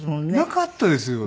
なかったですよね。